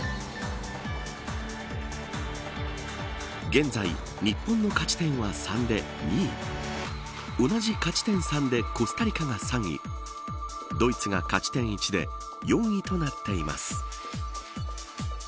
現在、日本の勝ち点は３で２位同じ勝ち点３でコスタリカが３位ドイツが勝ち点１で４位となっています。